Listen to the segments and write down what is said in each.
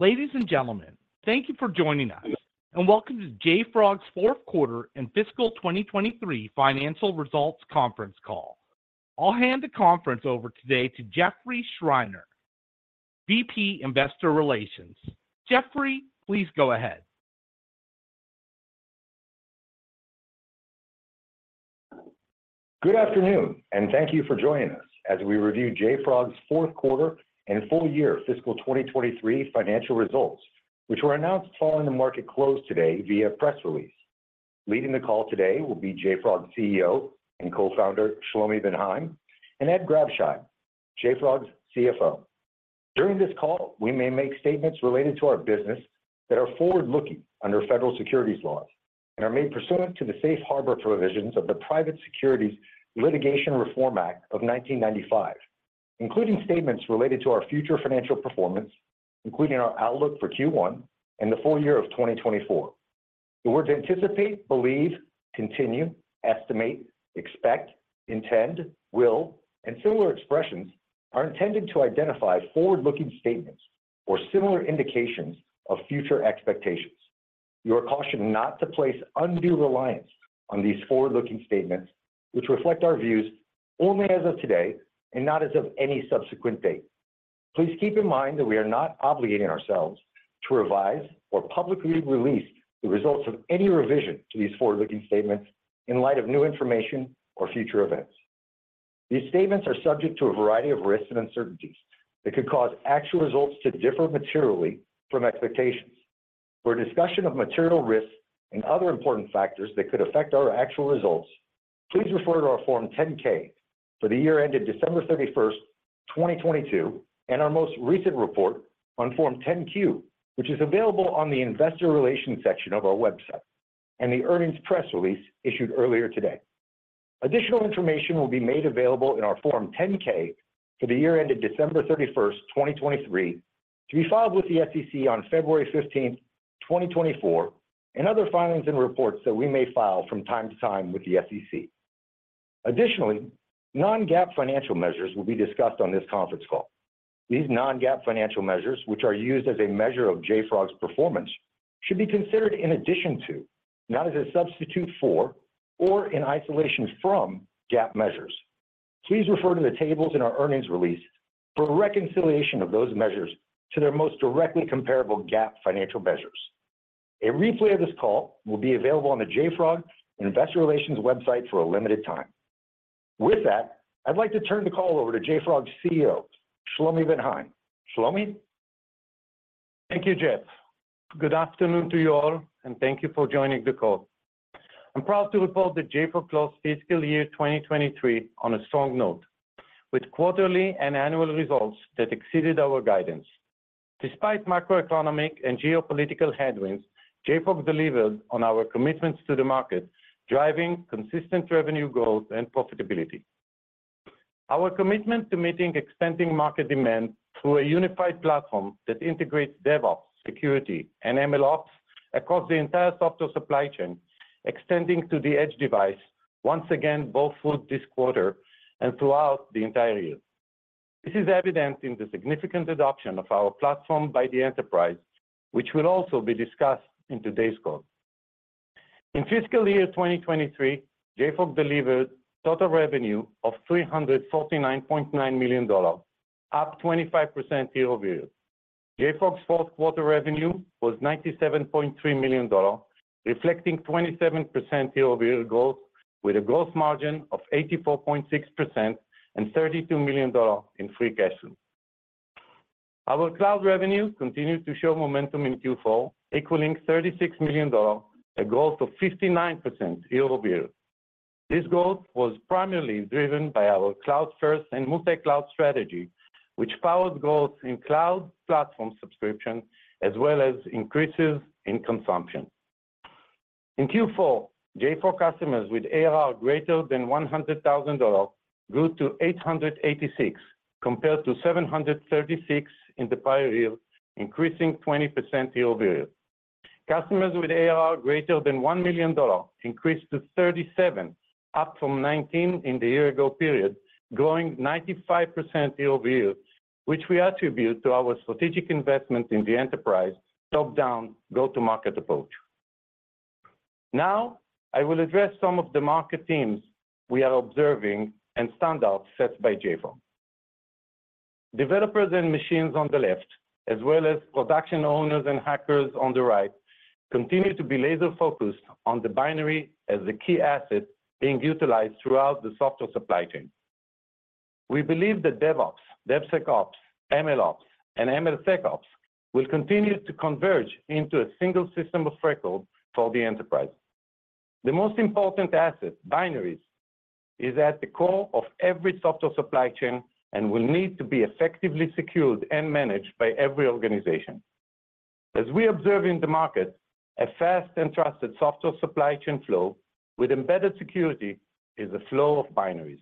Ladies and gentlemen, thank you for joining us, and welcome to JFrog's fourth quarter and fiscal 2023 financial results conference call. I'll hand the conference over today to Jeffrey Schreiner, VP, Investor Relations. Jeffrey, please go ahead. Good afternoon, and thank you for joining us as we review JFrog's fourth quarter and full year fiscal 2023 financial results, which were announced following the market close today via press release. Leading the call today will be JFrog's CEO and co-founder, Shlomi Ben Haim, and Ed Grabscheid, JFrog's CFO. During this call, we may make statements related to our business that are forward-looking under federal securities laws and are made pursuant to the safe harbor provisions of the Private Securities Litigation Reform Act of 1995, including statements related to our future financial performance, including our outlook for Q1 and the full year of 2024. The words anticipate, believe, continue, estimate, expect, intend, will, and similar expressions are intended to identify forward-looking statements or similar indications of future expectations. You are cautioned not to place undue reliance on these forward-looking statements, which reflect our views only as of today and not as of any subsequent date. Please keep in mind that we are not obligating ourselves to revise or publicly release the results of any revision to these forward-looking statements in light of new information or future events. These statements are subject to a variety of risks and uncertainties that could cause actual results to differ materially from expectations. For a discussion of material risks and other important factors that could affect our actual results, please refer to our Form 10-K for the year ended December 31, 2022, and our most recent report on Form 10-Q, which is available on the investor relations section of our website, and the earnings press release issued earlier today. Additional information will be made available in our Form 10-K for the year ended December 31, 2023, to be filed with the SEC on February 15, 2024, and other filings and reports that we may file from time to time with the SEC. Additionally, non-GAAP financial measures will be discussed on this conference call. These non-GAAP financial measures, which are used as a measure of JFrog's performance, should be considered in addition to, not as a substitute for, or in isolation from GAAP measures. Please refer to the tables in our earnings release for a reconciliation of those measures to their most directly comparable GAAP financial measures. A replay of this call will be available on the JFrog Investor Relations website for a limited time. With that, I'd like to turn the call over to JFrog's CEO, Shlomi Ben Haim. Shlomi? Thank you, Jeff. Good afternoon to you all, and thank you for joining the call. I'm proud to report that JFrog closed fiscal year 2023 on a strong note, with quarterly and annual results that exceeded our guidance. Despite macroeconomic and geopolitical headwinds, JFrog delivered on our commitments to the market, driving consistent revenue growth and profitability. Our commitment to meeting extending market demand through a unified platform that integrates DevOps, security, and MLOps across the entire software supply chain, extending to the edge device, once again bore fruit this quarter and throughout the entire year. This is evident in the significant adoption of our platform by the enterprise, which will also be discussed in today's call. In fiscal year 2023, JFrog delivered total revenue of $349.9 million, up 25% year-over-year. JFrog's fourth quarter revenue was $97.3 million, reflecting 27% year-over-year growth, with a gross margin of 84.6% and $32 million in free cash flow. Our cloud revenue continued to show momentum in Q4, equaling $36 million, a growth of 59% year-over-year. This growth was primarily driven by our cloud first and multi-cloud strategy, which powered growth in cloud platform subscription, as well as increases in consumption. In Q4, JFrog customers with ARR greater than $100,000 grew to 886, compared to 736 in the prior year, increasing 20% year-over-year. Customers with ARR greater than $1 million increased to 37, up from 19 in the year ago period, growing 95% year-over-year, which we attribute to our strategic investment in the enterprise top-down go-to-market approach. Now, I will address some of the market themes we are observing and standouts set by JFrog. Developers and machines on the left, as well as production owners and hackers on the right, continue to be laser-focused on the binary as the key asset being utilized throughout the software supply chain. We believe that DevOps, DevSecOps, MLOps, and MLSecOps will continue to converge into a single system of record for the enterprise. The most important asset, binaries, is at the core of every software supply chain and will need to be effectively secured and managed by every organization. As we observe in the market, a fast and trusted software supply chain flow with embedded security is the flow of binaries.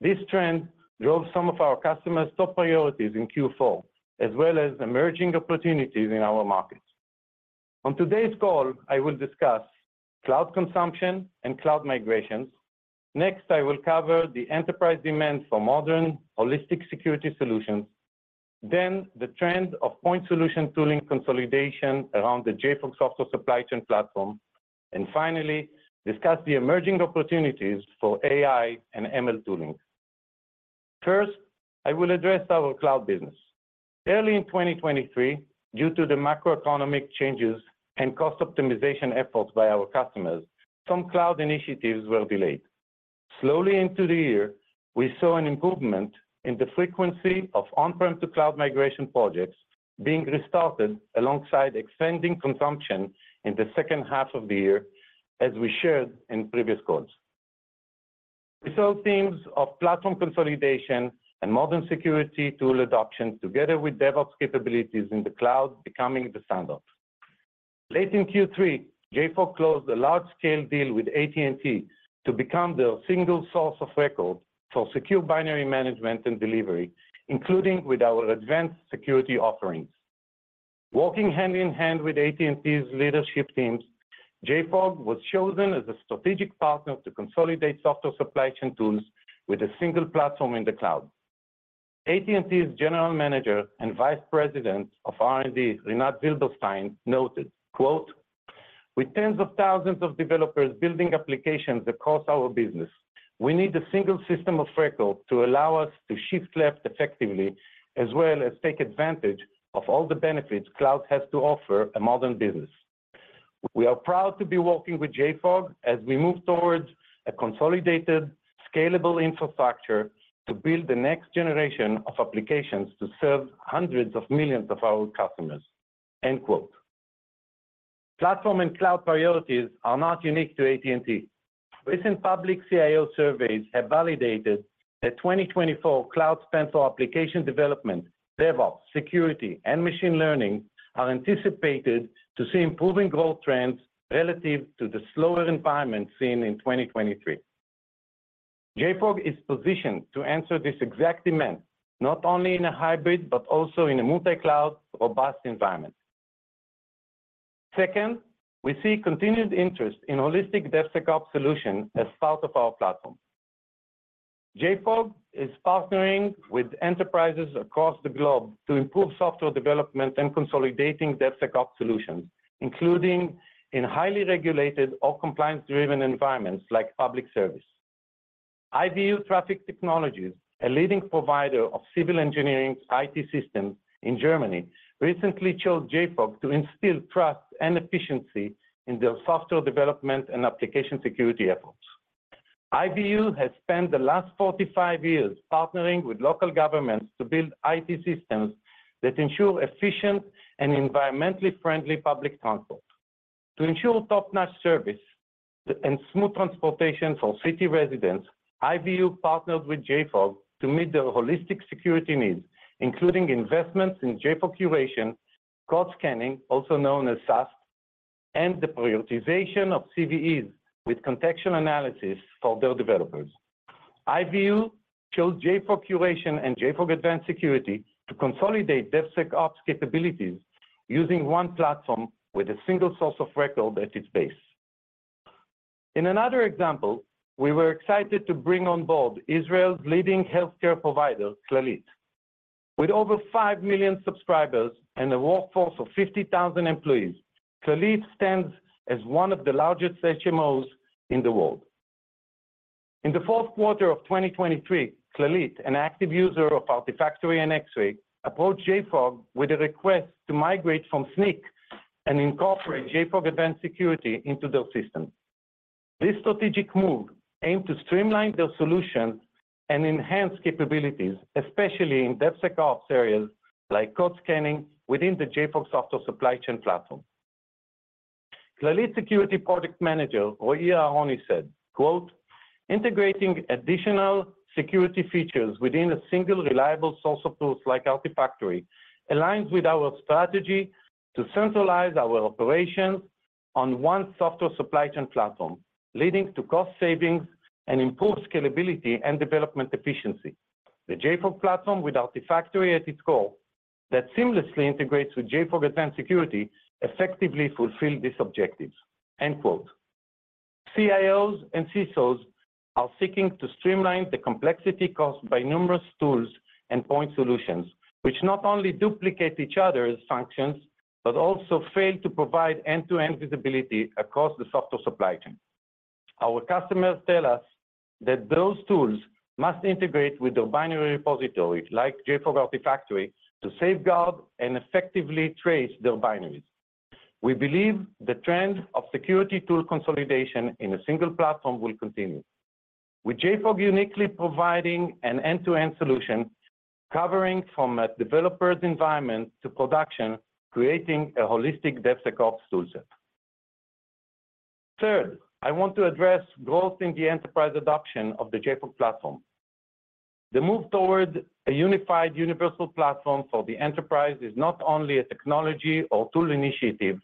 This trend drove some of our customers' top priorities in Q4, as well as emerging opportunities in our markets.... On today's call, I will discuss cloud consumption and cloud migrations. Next, I will cover the enterprise demand for modern holistic security solutions, then the trend of point solution tooling consolidation around the JFrog Software Supply Chain Platform, and finally, discuss the emerging opportunities for AI and ML tooling. First, I will address our cloud business. Early in 2023, due to the macroeconomic changes and cost optimization efforts by our customers, some cloud initiatives were delayed. Slowly into the year, we saw an improvement in the frequency of on-prem to cloud migration projects being restarted alongside extending consumption in the second half of the year, as we shared in previous calls. We saw themes of platform consolidation and modern security tool adoption, together with DevOps capabilities in the cloud, becoming the standard. Late in Q3, JFrog closed a large-scale deal with AT&T to become their single source of record for secure binary management and delivery, including with our advanced security offerings. Working hand in hand with AT&T's leadership teams, JFrog was chosen as a strategic partner to consolidate software supply chain tools with a single platform in the cloud. AT&T's General Manager and Vice President of R&D, Rinat Zilberstein, noted, quote, "With tens of thousands of developers building applications across our business, we need a single system of record to allow us to shift left effectively, as well as take advantage of all the benefits cloud has to offer a modern business. We are proud to be working with JFrog as we move towards a consolidated, scalable infrastructure to build the next generation of applications to serve hundreds of millions of our customers." End quote. Platform and cloud priorities are not unique to AT&T. Recent public CIO surveys have validated that 2024 cloud spend for application development, DevOps, security, and machine learning are anticipated to see improving growth trends relative to the slower environment seen in 2023. JFrog is positioned to answer this exact demand, not only in a hybrid, but also in a multi-cloud, robust environment. Second, we see continued interest in holistic DevSecOps solutions as part of our platform. JFrog is partnering with enterprises across the globe to improve software development and consolidating DevSecOps solutions, including in highly regulated or compliance-driven environments like public service. IVU Traffic Technologies, a leading provider of civil engineering IT systems in Germany, recently chose JFrog to instill trust and efficiency in their software development and application security efforts. IVU has spent the last 45 years partnering with local governments to build IT systems that ensure efficient and environmentally friendly public transport. To ensure top-notch service and smooth transportation for city residents, IVU partnered with JFrog to meet their holistic security needs, including investments in JFrog Curation, code scanning, also known as SAST, and the prioritization of CVEs with contextual analysis for their developers. IVU chose JFrog Curation and JFrog Advanced Security to consolidate DevSecOps capabilities using one platform with a single source of record at its base. In another example, we were excited to bring on board Israel's leading healthcare provider, Clalit. With over five million subscribers and a workforce of 50,000 employees, Clalit stands as one of the largest HMOs in the world. In the fourth quarter of 2023, Clalit, an active user of Artifactory and X-ray, approached JFrog with a request to migrate from Snyk and incorporate JFrog Advanced Security into their system. This strategic move aimed to streamline their solutions and enhance capabilities, especially in DevSecOps areas like code scanning within the JFrog Software Supply Chain Platform. Clalit Security Product Manager, Roy Aharoni, said, quote, "Integrating additional security features within a single reliable source of tools like Artifactory aligns with our strategy to centralize our operations on one software supply chain platform, leading to cost savings and improved scalability and development efficiency. The JFrog platform, with Artifactory at its core, that seamlessly integrates with JFrog Advanced Security, effectively fulfill these objectives." End quote. CIOs and CISOs are seeking to streamline the complexity caused by numerous tools and point solutions, which not only duplicate each other's functions, but also fail to provide end-to-end visibility across the software supply chain. Our customers tell us that those tools must integrate with their binary repository, like JFrog Artifactory, to safeguard and effectively trace their binaries. We believe the trend of security tool consolidation in a single platform will continue, with JFrog uniquely providing an end-to-end solution, covering from a developer's environment to production, creating a holistic DevSecOps toolset. Third, I want to address growth in the enterprise adoption of the JFrog platform. The move toward a unified universal platform for the enterprise is not only a technology or tool initiative,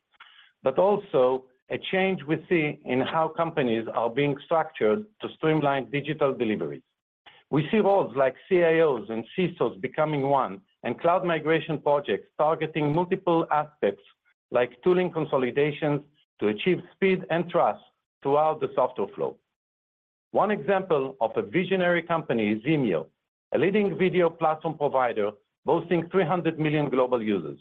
but also a change we see in how companies are being structured to streamline digital deliveries... We see roles like CIOs and CISOs becoming one, and cloud migration projects targeting multiple aspects like tooling consolidations to achieve speed and trust throughout the software flow. One example of a visionary company is Vimeo, a leading video platform provider boasting 300 million global users.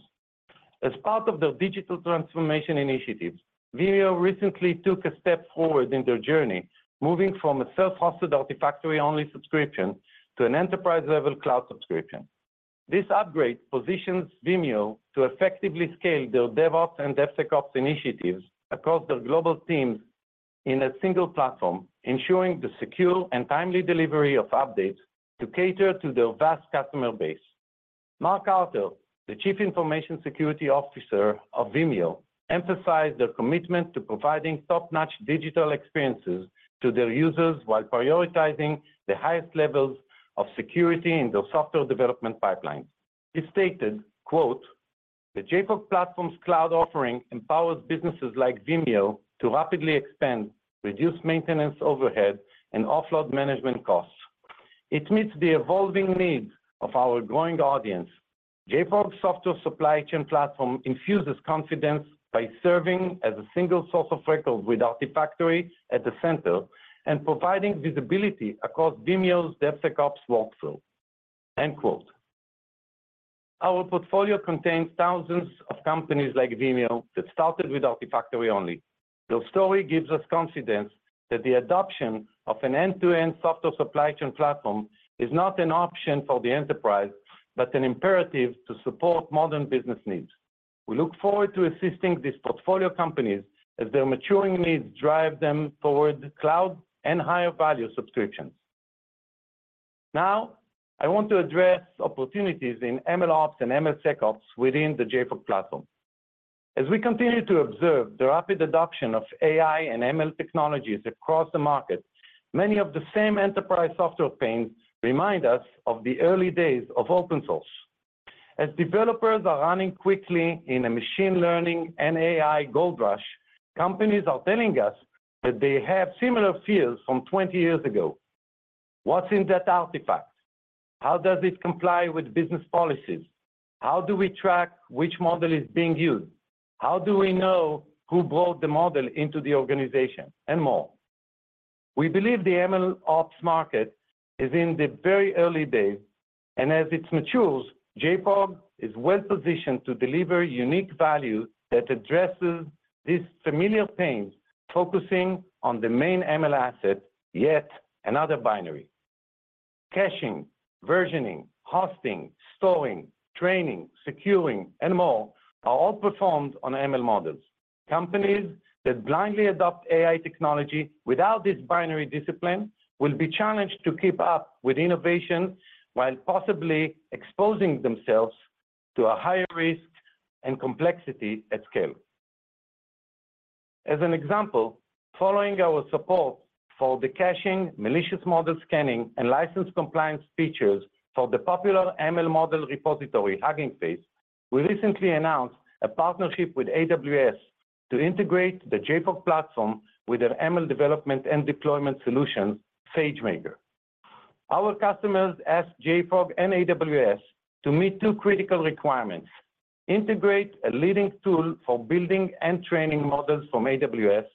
As part of their digital transformation initiatives, Vimeo recently took a step forward in their journey, moving from a self-hosted Artifactory-only subscription to an enterprise-level cloud subscription. This upgrade positions Vimeo to effectively scale their DevOps and DevSecOps initiatives across their global teams in a single platform, ensuring the secure and timely delivery of updates to cater to their vast customer base. Mark Carter, the Chief Information Security Officer of Vimeo, emphasized their commitment to providing top-notch digital experiences to their users while prioritizing the highest levels of security in their software development pipelines. He stated, quote, "The JFrog Platform's cloud offering empowers businesses like Vimeo to rapidly expand, reduce maintenance overhead, and offload management costs. It meets the evolving needs of our growing audience. JFrog Software Supply Chain Platform infuses confidence by serving as a single source of record with Artifactory at the center and providing visibility across Vimeo's DevSecOps workflow." End quote. Our portfolio contains thousands of companies like Vimeo that started with Artifactory only. Their story gives us confidence that the adoption of an end-to-end software supply chain platform is not an option for the enterprise, but an imperative to support modern business needs. We look forward to assisting these portfolio companies as their maturing needs drive them towards cloud and higher value subscriptions. Now, I want to address opportunities in MLOps and MLSecOps within the JFrog Platform. As we continue to observe the rapid adoption of AI and ML technologies across the market, many of the same enterprise software pains remind us of the early days of open source. As developers are running quickly in a machine learning and AI gold rush, companies are telling us that they have similar fears from 20 years ago. What's in that artifact? How does it comply with business policies? How do we track which model is being used? How do we know who brought the model into the organization? And more. We believe the MLOps market is in the very early days, and as it matures, JFrog is well positioned to deliver unique value that addresses these familiar pains, focusing on the main ML asset, yet another binary. Caching, versioning, hosting, storing, training, securing, and more are all performed on ML models. Companies that blindly adopt AI technology without this binary discipline will be challenged to keep up with innovation while possibly exposing themselves to a higher risk and complexity at scale. As an example, following our support for the caching, malicious model scanning, and license compliance features for the popular ML model repository, Hugging Face, we recently announced a partnership with AWS to integrate the JFrog Platform with their ML development and deployment solution, SageMaker. Our customers asked JFrog and AWS to meet two critical requirements: integrate a leading tool for building and training models from AWS,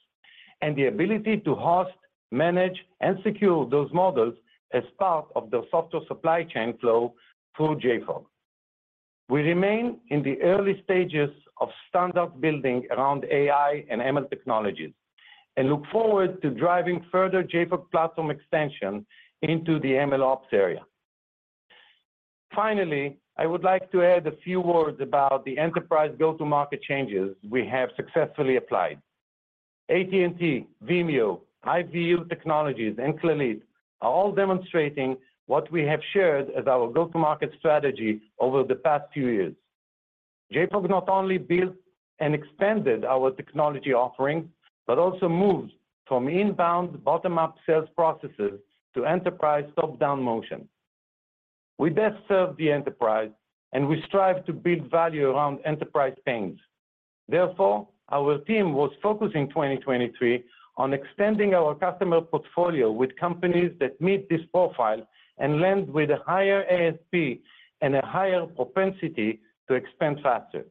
and the ability to host, manage, and secure those models as part of their software supply chain flow through JFrog. We remain in the early stages of startup building around AI and ML technologies, and look forward to driving further JFrog Platform extension into the MLOps area. Finally, I would like to add a few words about the enterprise go-to-market changes we have successfully applied. AT&T, Vimeo, IVU Traffic Technologies, and Clalit are all demonstrating what we have shared as our go-to-market strategy over the past few years. JFrog not only built and expanded our technology offering, but also moved from inbound, bottom-up sales processes to enterprise top-down motion. We best serve the enterprise, and we strive to build value around enterprise pains. Therefore, our team was focused in 2023 on extending our customer portfolio with companies that meet this profile and lend with a higher ASP and a higher propensity to expand faster.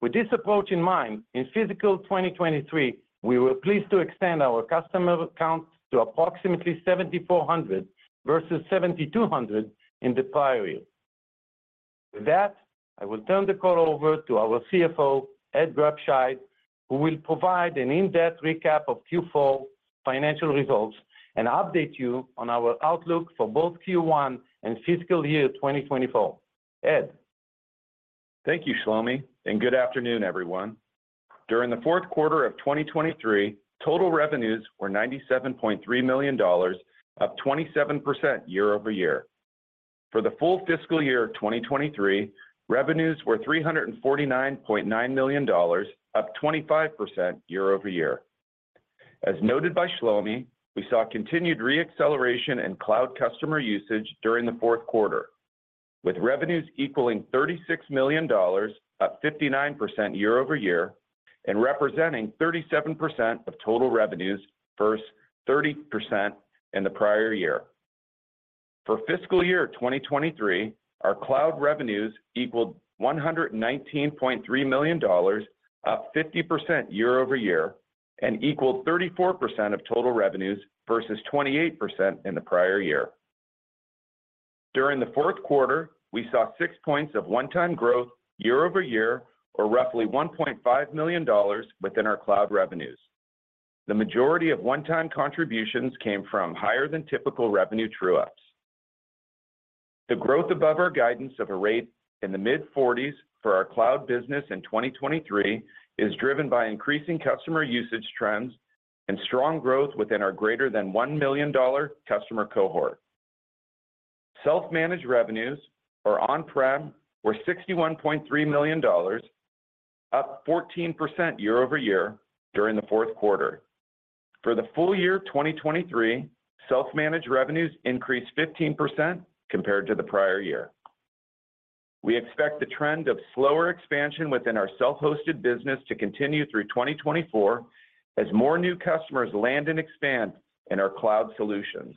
With this approach in mind, in fiscal 2023, we were pleased to extend our customer account to approximately 7,400 versus 7,200 in the prior year. With that, I will turn the call over to our CFO, Ed Grabscheid, who will provide an in-depth recap of Q4 financial results and update you on our outlook for both Q1 and fiscal year 2024. Ed? Thank you, Shlomi, and good afternoon, everyone. During the fourth quarter of 2023, total revenues were $97.3 million, up 27% year over year. For the full fiscal year of 2023, revenues were $349.9 million, up 25% year over year. As noted by Shlomi, we saw continued re-acceleration in cloud customer usage during the fourth quarter. With revenues equaling $36 million, up 59% year over year, and representing 37% of total revenues versus 30% in the prior year. For fiscal year 2023, our cloud revenues equaled $119.3 million, up 50% year over year, and equaled 34% of total revenues versus 28% in the prior year. During the fourth quarter, we saw 6 points of one-time growth year-over-year, or roughly $1.5 million within our cloud revenues. The majority of one-time contributions came from higher than typical revenue true-ups. The growth above our guidance of a rate in the mid-40s for our cloud business in 2023 is driven by increasing customer usage trends and strong growth within our greater than $1 million customer cohort. Self-managed revenues or on-prem, were $61.3 million, up 14% year-over-year during the fourth quarter. For the full year of 2023, self-managed revenues increased 15% compared to the prior year. We expect the trend of slower expansion within our self-hosted business to continue through 2024 as more new customers land and expand in our cloud solutions.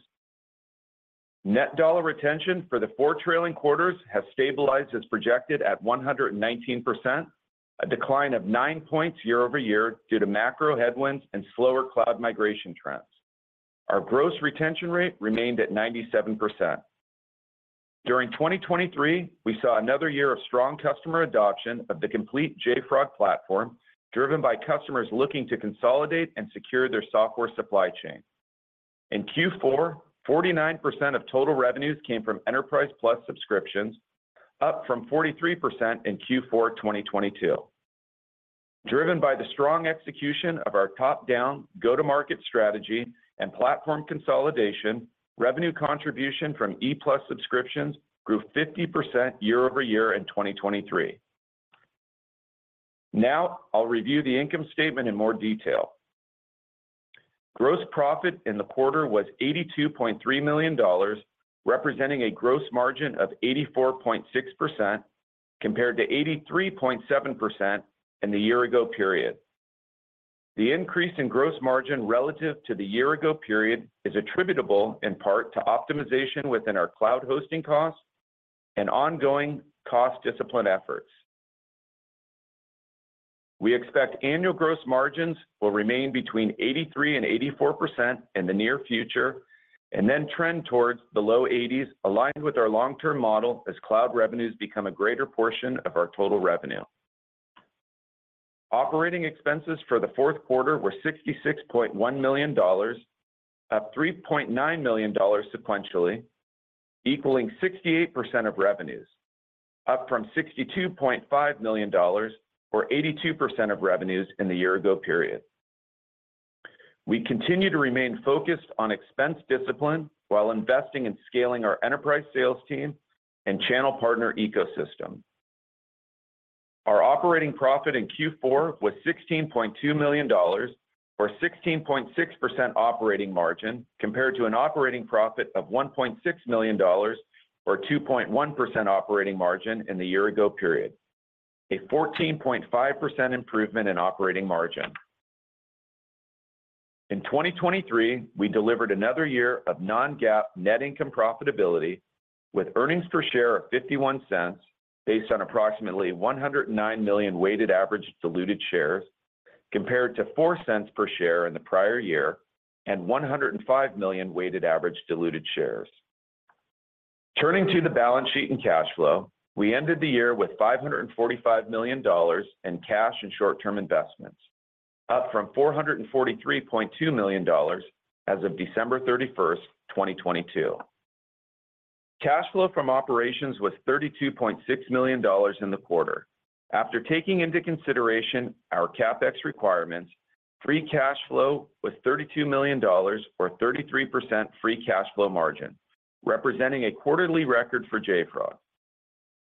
Net dollar retention for the four trailing quarters has stabilized as projected at 119%, a decline of 9 points year-over-year due to macro headwinds and slower cloud migration trends. Our gross retention rate remained at 97%. During 2023, we saw another year of strong customer adoption of the complete JFrog platform, driven by customers looking to consolidate and secure their software supply chain. In Q4, 49% of total revenues came from Enterprise Plus subscriptions, up from 43% in Q4 2022. Driven by the strong execution of our top-down go-to-market strategy and platform consolidation, revenue contribution from E+ subscriptions grew 50% year-over-year in 2023. Now, I'll review the income statement in more detail. Gross profit in the quarter was $82.3 million, representing a gross margin of 84.6%, compared to 83.7% in the year ago period. The increase in gross margin relative to the year ago period is attributable in part to optimization within our cloud hosting costs and ongoing cost discipline efforts. We expect annual gross margins will remain between 83% and 84% in the near future, and then trend towards the low 80s, aligned with our long-term model as cloud revenues become a greater portion of our total revenue. Operating expenses for the fourth quarter were $66.1 million, up $3.9 million sequentially, equaling 68% of revenues, up from $62.5 million or 82% of revenues in the year ago period. We continue to remain focused on expense discipline while investing in scaling our enterprise sales team and channel partner ecosystem. Our operating profit in Q4 was $16.2 million or 16.6% operating margin, compared to an operating profit of $1.6 million or 2.1% operating margin in the year ago period, a 14.5 improvement in operating margin. In 2023, we delivered another year of non-GAAP net income profitability with earnings per share of $0.51, based on approximately 109 million weighted average diluted shares, compared to $0.04 per share in the prior year and 105 million weighted average diluted shares. Turning to the balance sheet and cash flow, we ended the year with $545 million in cash and short-term investments, up from $443.2 million as of December 31, 2022. Cash flow from operations was $32.6 million in the quarter. After taking into consideration our CapEx requirements, free cash flow was $32 million, or 33% free cash flow margin, representing a quarterly record for JFrog.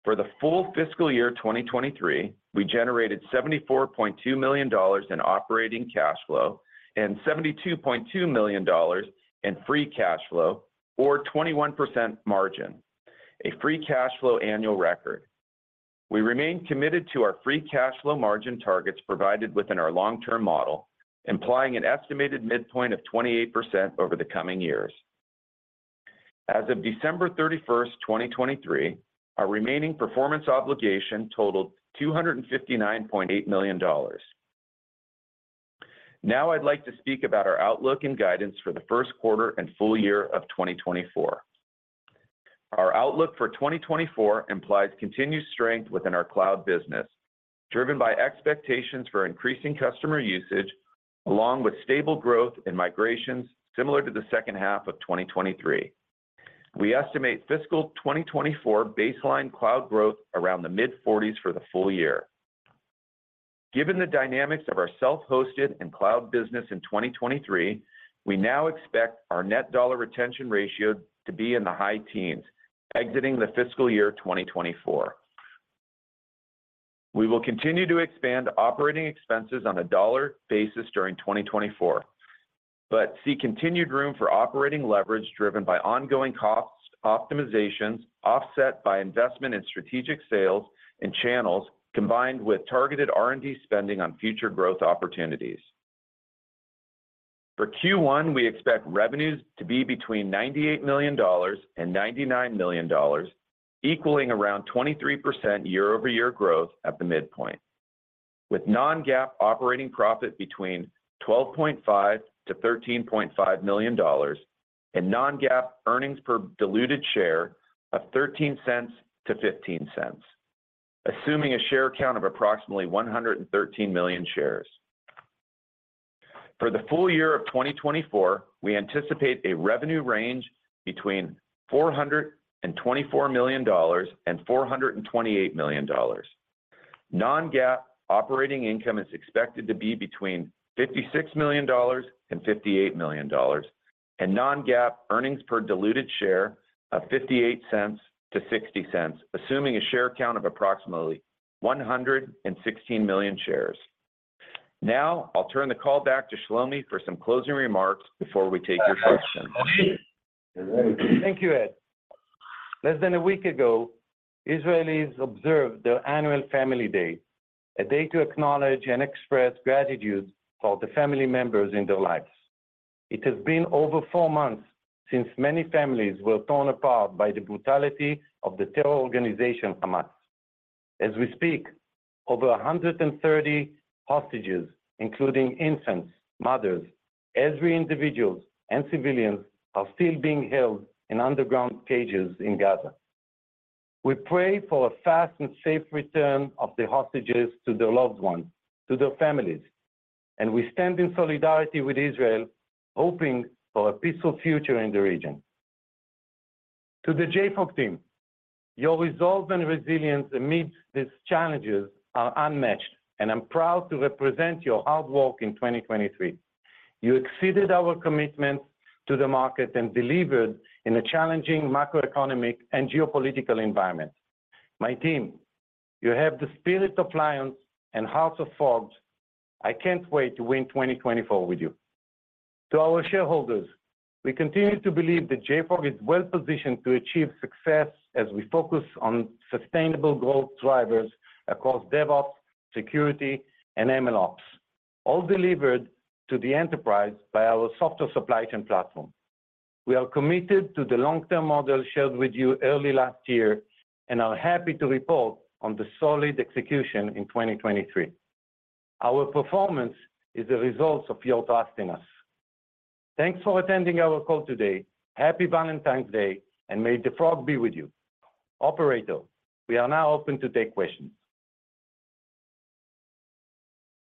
For the full fiscal year 2023, we generated $74.2 million in operating cash flow and $72.2 million in free cash flow, or 21% margin, a free cash flow annual record. We remain committed to our free cash flow margin targets provided within our long-term model, implying an estimated midpoint of 28% over the coming years. As of December 31st, 2023, our remaining performance obligation totaled $259.8 million. Now, I'd like to speak about our outlook and guidance for the first quarter and full year of 2024. Our outlook for 2024 implies continued strength within our cloud business, driven by expectations for increasing customer usage, along with stable growth in migrations similar to the second half of 2023. We estimate fiscal 2024 baseline cloud growth around the mid-forties for the full year. Given the dynamics of our self-hosted and cloud business in 2023, we now expect our Net Dollar Retention ratio to be in the high teens, exiting the fiscal year 2024.... We will continue to expand operating expenses on a dollar basis during 2024, but see continued room for operating leverage driven by ongoing cost optimizations, offset by investment in strategic sales and channels, combined with targeted R&D spending on future growth opportunities. For Q1, we expect revenues to be between $98 million and $99 million, equaling around 23% year-over-year growth at the midpoint, with non-GAAP operating profit between $12.5 million and $13.5 million and non-GAAP earnings per diluted share of $0.13-$0.15, assuming a share count of approximately 113 million shares. For the full year of 2024, we anticipate a revenue range between $424 million and $428 million. Non-GAAP operating income is expected to be between $56 million and $58 million, and non-GAAP earnings per diluted share of $0.58-$0.60, assuming a share count of approximately 116 million shares. Now, I'll turn the call back to Shlomi for some closing remarks before we take your questions. Thank you, Ed. Less than a week ago, Israelis observed their annual Family Day, a day to acknowledge and express gratitude for the family members in their lives. It has been over four months since many families were torn apart by the brutality of the terror organization, Hamas. As we speak, over 130 hostages, including infants, mothers, elderly individuals, and civilians, are still being held in underground cages in Gaza. We pray for a fast and safe return of the hostages to their loved ones, to their families, and we stand in solidarity with Israel, hoping for a peaceful future in the region. To the JFrog team, your resolve and resilience amidst these challenges are unmatched, and I'm proud to represent your hard work in 2023. You exceeded our commitment to the market and delivered in a challenging macroeconomic and geopolitical environment. My team, you have the spirit of lions and heart of Frogs. I can't wait to win 2024 with you. To our shareholders, we continue to believe that JFrog is well-positioned to achieve success as we focus on sustainable growth drivers across DevOps, security, and MLOps, all delivered to the enterprise by our software supply chain platform. We are committed to the long-term model shared with you early last year and are happy to report on the solid execution in 2023. Our performance is a result of your trust in us. Thanks for attending our call today. Happy Valentine's Day, and may the Frog be with you. Operator, we are now open to take questions.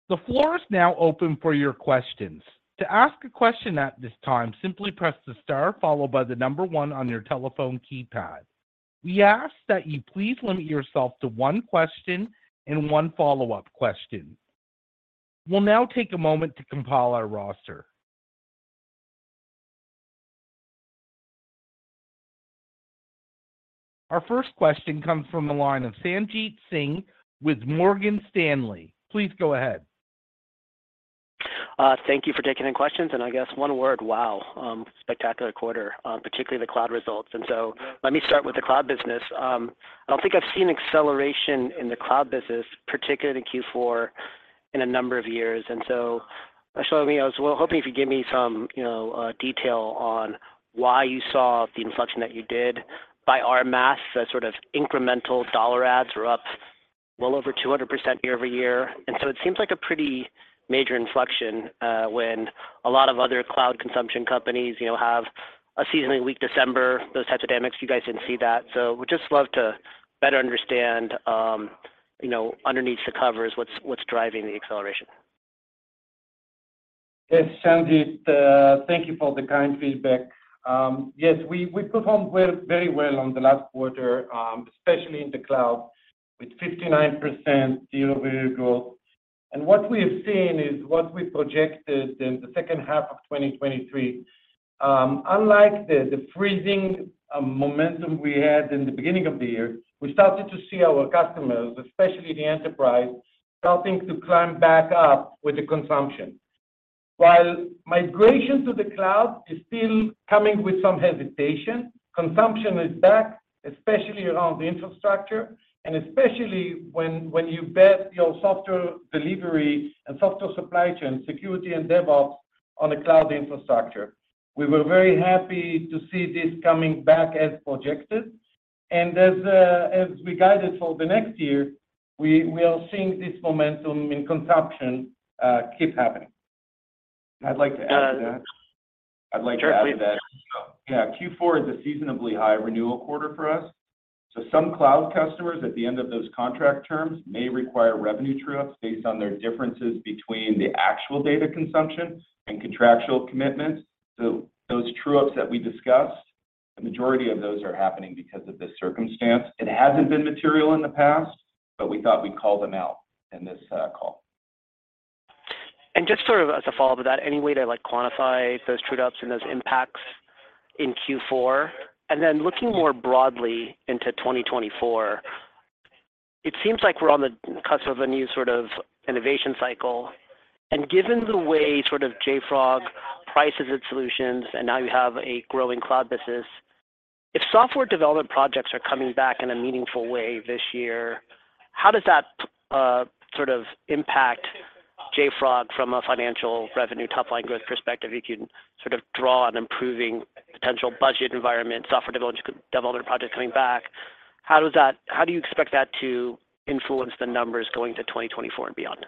The floor is now open for your questions. To ask a question at this time, simply press the star followed by the number one on your telephone keypad. We ask that you please limit yourself to one question and one follow-up question. We'll now take a moment to compile our roster. Our first question comes from the line of Sanjit Singh with Morgan Stanley. Please go ahead. Thank you for taking the questions, and I guess one word, wow! Spectacular quarter, particularly the cloud results. And so let me start with the cloud business. I don't think I've seen acceleration in the cloud business, particularly in Q4, in a number of years. And so, Shlomi, I was well, hoping if you give me some, you know, detail on why you saw the inflection that you did by our math, that sort of incremental dollar adds were up well over 200% year-over-year. And so it seems like a pretty major inflection, when a lot of other cloud consumption companies, you know, have a seasonally weak December, those types of dynamics, you guys didn't see that. So would just love to better understand, you know, underneath the covers, what's driving the acceleration? Yes, Sanjit, thank you for the kind feedback. Yes, we performed well, very well on the last quarter, especially in the cloud, with 59% year-over-year growth. And what we have seen is what we projected in the second half of 2023. Unlike the freezing momentum we had in the beginning of the year, we started to see our customers, especially the enterprise, starting to climb back up with the consumption. While migration to the cloud is still coming with some hesitation, consumption is back, especially around the infrastructure and especially when you bet your software delivery and software supply chain security and DevOps on a cloud infrastructure. We were very happy to see this coming back as projected, and as we guide it for the next year, we are seeing this momentum in consumption keep happening. I'd like to add to that. Sure. I'd like to add to that. Yeah, Q4 is a seasonally high renewal quarter for us, so some cloud customers at the end of those contract terms may require revenue true-ups based on their differences between the actual data consumption and contractual commitments. So those true-ups that we discussed, the majority of those are happening because of this circumstance. It hasn't been material in the past, but we thought we'd call them out in this call. And just sort of as a follow-up to that, any way to, like, quantify those true ups and those impacts in Q4? And then looking more broadly into 2024, it seems like we're on the cusp of a new sort of innovation cycle. And given the way sort of JFrog prices its solutions, and now you have a growing cloud business, if software development projects are coming back in a meaningful way this year, how does that, sort of impact JFrog from a financial revenue, top-line growth perspective? You can sort of draw on improving potential budget environment, software development, development projects coming back. How does that- how do you expect that to influence the numbers going to 2024 and beyond?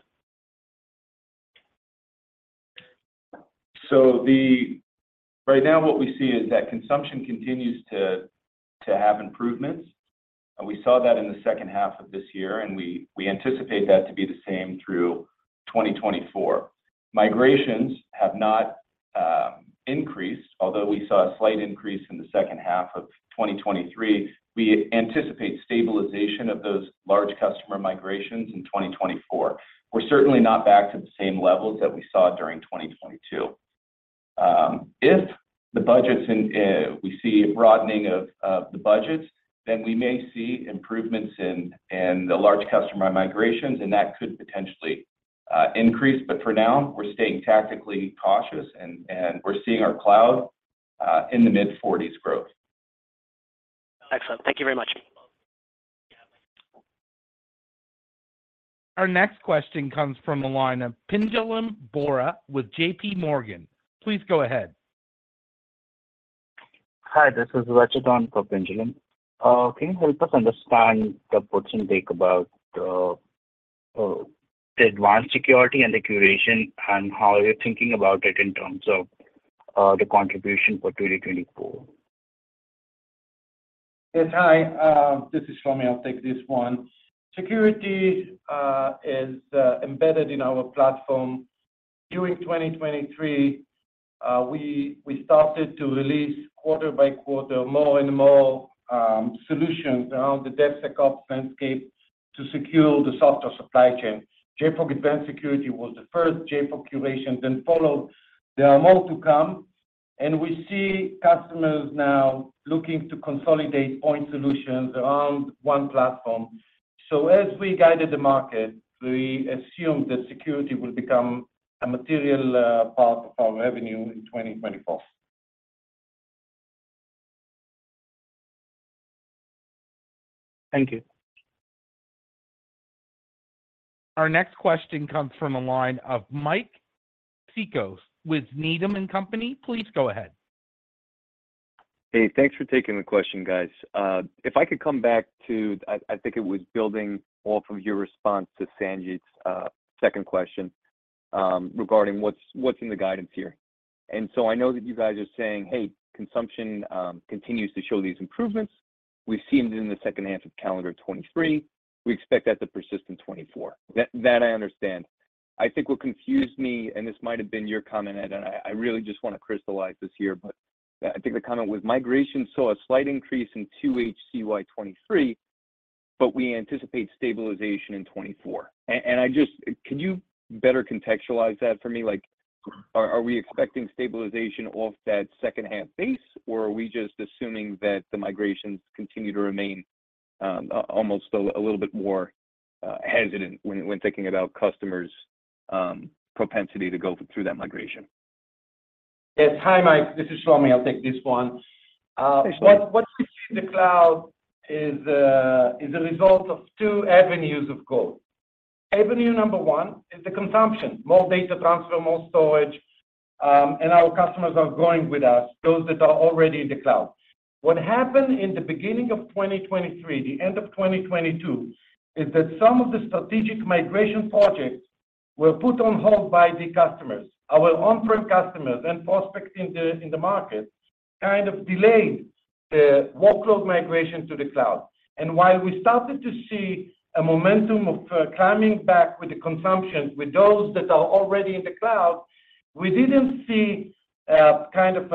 So right now, what we see is that consumption continues to have improvements, and we saw that in the second half of this year, and we anticipate that to be the same through 2024. Migrations have not increased, although we saw a slight increase in the second half of 2023. We anticipate stabilization of those large customer migrations in 2024. We're certainly not back to the same levels that we saw during 2022. If the budgets, and we see a broadening of the budgets, then we may see improvements in the large customer migrations, and that could potentially increase. But for now, we're staying tactically cautious, and we're seeing our cloud in the mid-40s growth. Excellent. Thank you very much. Our next question comes from the line of Pinjalim Bora with J.P. Morgan. Please go ahead. Hi, this is Rajan for Pinjalim. Can you help us understand the portion take about the advanced security and the curation and how you're thinking about it in terms of the contribution for 2024? Yes, hi, this is Shlomi. I'll take this one. Security is embedded in our platform. During 2023, we started to release quarter by quarter, more and more, solutions around the DevSecOps landscape to secure the software supply chain. JFrog Advanced Security was the first, JFrog Curation, then followed. There are more to come, and we see customers now looking to consolidate point solutions around one platform. So as we guided the market, we assumed that security will become a material part of our revenue in 2024. Thank you. Our next question comes from a line of Mike Cikos with Needham and Company. Please go ahead. Hey, thanks for taking the question, guys. If I could come back to, I think it was building off of your response to Sanjit's second question, regarding what's in the guidance here. And so I know that you guys are saying, "Hey, consumption continues to show these improvements. We've seen it in the second half of calendar 2023. We expect that to persist in 2024." That I understand. I think what confused me, and this might have been your comment, and I really just want to crystallize this here, but I think the comment was, "Migration saw a slight increase in 2 HCY 2023, but we anticipate stabilization in 2024." And I just-- could you better contextualize that for me? Like, are we expecting stabilization off that second half base, or are we just assuming that the migrations continue to remain almost a little bit more hesitant when thinking about customers' propensity to go through that migration? Yes. Hi, Mike, this is Shlomi. I'll take this one. Thanks, Shlomi. What the cloud is is a result of two avenues of growth. Avenue number one is the consumption, more data transfer, more storage, and our customers are growing with us, those that are already in the cloud. What happened in the beginning of 2023, the end of 2022, is that some of the strategic migration projects were put on hold by the customers. Our on-prem customers and prospects in the market kind of delayed the workload migration to the cloud. And while we started to see a momentum of climbing back with the consumption with those that are already in the cloud, we didn't see kind of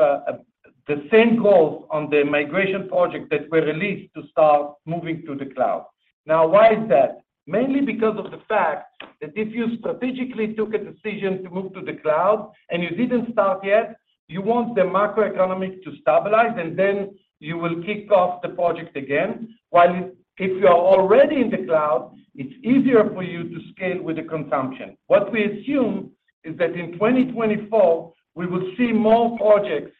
the same growth on the migration project that were released to start moving to the cloud. Now, why is that? Mainly because of the fact that if you strategically took a decision to move to the cloud and you didn't start yet, you want the macroeconomic to stabilize, and then you will kick off the project again. While if you are already in the cloud, it's easier for you to scale with the consumption. What we assume is that in 2024, we will see more projects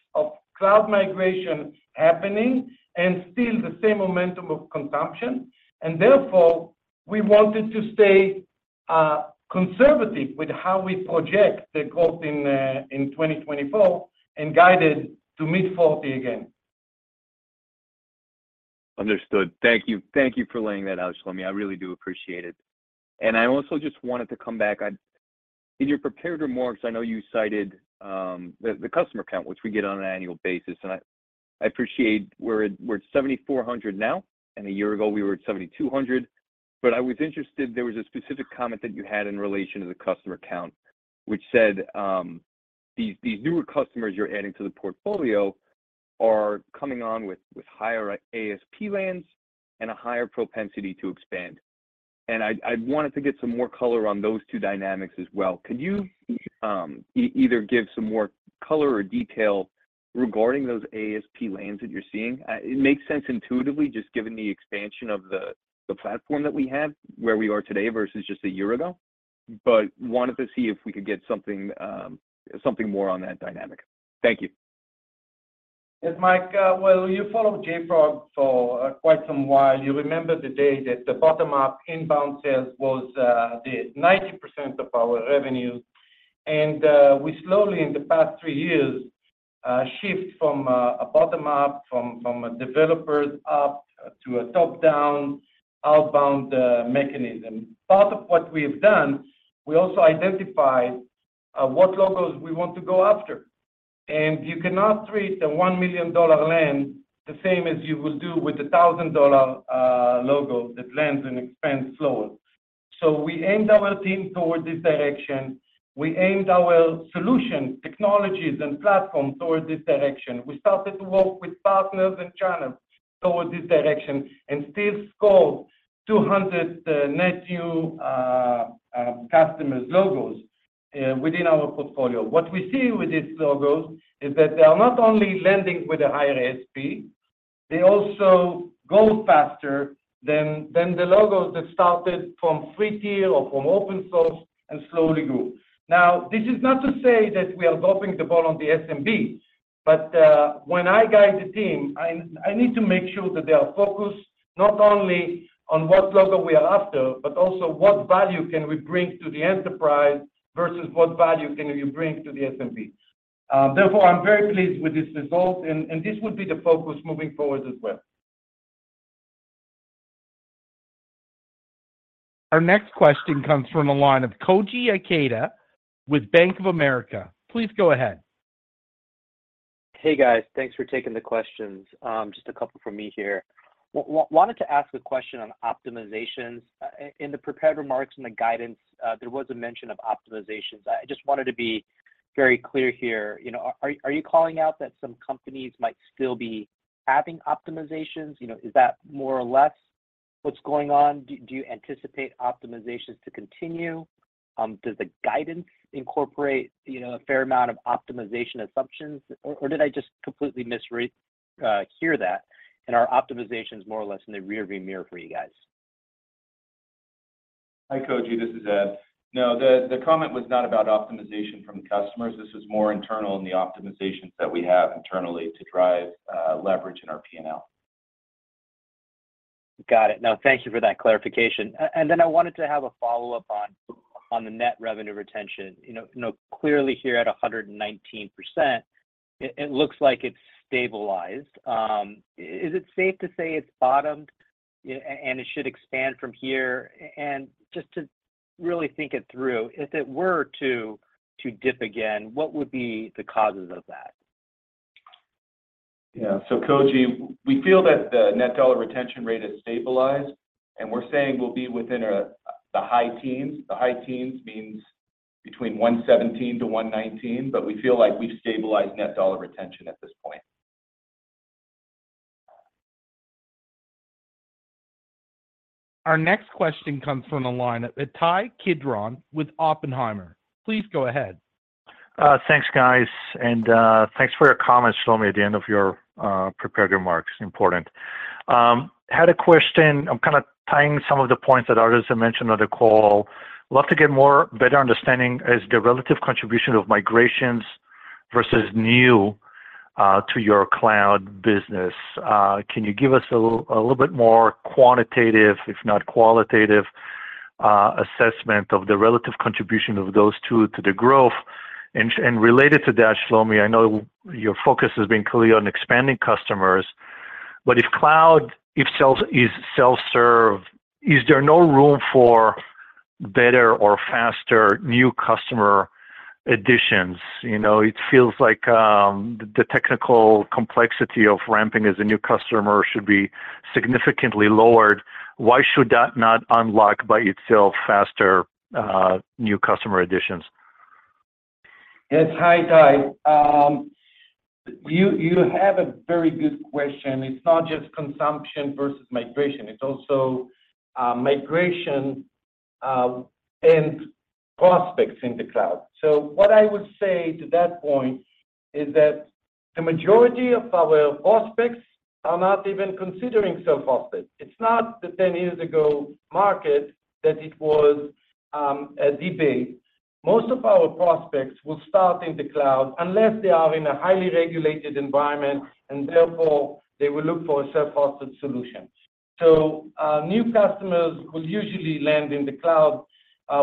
of cloud migration happening and still the same momentum of consumption, and therefore, we wanted to stay, conservative with how we project the growth in, in 2024 and guided to mid-40 again. Understood. Thank you. Thank you for laying that out, Shlomi. I really do appreciate it. And I also just wanted to come back. In your prepared remarks, I know you cited the customer count, which we get on an annual basis, and I appreciate we're at 7,400 now, and a year ago, we were at 7,200. But I was interested, there was a specific comment that you had in relation to the customer count, which said, "These newer customers you're adding to the portfolio-... are coming on with higher ASP lanes and a higher propensity to expand. And I'd wanted to get some more color on those two dynamics as well. Could you either give some more color or detail regarding those ASP lanes that you're seeing? It makes sense intuitively, just given the expansion of the platform that we have, where we are today versus just a year ago, but wanted to see if we could get something, something more on that dynamic. Thank you. Yes, Mike, well, you followed JFrog for quite some while. You remember the day that the bottom-up inbound sales was the 90% of our revenue, and we slowly, in the past 3 years, shift from a bottom up, from a developers up to a top-down, outbound mechanism. Part of what we have done, we also identified what logos we want to go after, and you cannot treat a $1 million land the same as you would do with a $1,000 logo that lands and expands slower. So we aimed our team towards this direction. We aimed our solutions, technologies, and platform towards this direction. We started to work with partners and channels towards this direction, and still scored 200 net new customer logos within our portfolio. What we see with these logos is that they are not only landing with a higher ASP, they also go faster than the logos that started from free tier or from open source and slowly grew. Now, this is not to say that we are dropping the ball on the SMB, but when I guide the team, I need to make sure that they are focused not only on what logo we are after, but also what value can we bring to the enterprise versus what value can we bring to the SMB. Therefore, I'm very pleased with this result, and this would be the focus moving forward as well. Our next question comes from the line of Koji Ikeda with Bank of America. Please go ahead. Hey, guys. Thanks for taking the questions. Just a couple from me here. Wanted to ask a question on optimizations. In the prepared remarks and the guidance, there was a mention of optimizations. I just wanted to be very clear here, you know, are you calling out that some companies might still be having optimizations? You know, is that more or less what's going on? Do you anticipate optimizations to continue? Does the guidance incorporate, you know, a fair amount of optimization assumptions, or did I just completely misread hear that, and are optimizations more or less in the rearview mirror for you guys? Hi, Koji. This is Ed. No, the comment was not about optimization from customers. This is more internal in the optimizations that we have internally to drive leverage in our P&L. Got it. No, thank you for that clarification. And then I wanted to have a follow-up on the net revenue retention. You know, you know, clearly here at 119%, it looks like it's stabilized. Is it safe to say it's bottomed, and it should expand from here? And just to really think it through, if it were to dip again, what would be the causes of that? Yeah. So Koji, we feel that the Net Dollar Retention rate is stabilized, and we're saying we'll be within the high teens. The high teens means between 117-119, but we feel like we've stabilized Net Dollar Retention at this point. Our next question comes from the line, Ittai Kidron with Oppenheimer. Please go ahead. Thanks, guys, and thanks for your comments, Shlomi, at the end of your prepared remarks. Important. Had a question. I'm kind of tying some of the points that others have mentioned on the call. Love to get more better understanding, is the relative contribution of migrations versus new to your cloud business. Can you give us a little bit more quantitative, if not qualitative, assessment of the relative contribution of those two to the growth? And related to that, Shlomi, I know your focus has been clearly on expanding customers, but if cloud is self-serve, is there no room for better or faster new customer additions? You know, it feels like the technical complexity of ramping as a new customer should be significantly lowered. Why should that not unlock by itself faster new customer additions? Yes. Hi, Ittai. You have a very good question. It's not just consumption versus migration, it's also migration and prospects in the cloud. So what I would say to that point is that the majority of our prospects are not even considering self-hosted. It's not the ten years ago market that it was a debate. Most of our prospects will start in the cloud, unless they are in a highly regulated environment, and therefore, they will look for a self-hosted solution. So, new customers who usually land in the cloud,